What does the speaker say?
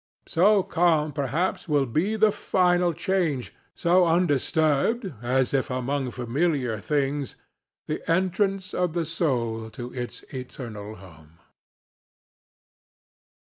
So calm, perhaps, will be the final change—so undisturbed, as if among familiar things, the entrance of the soul to its eternal home.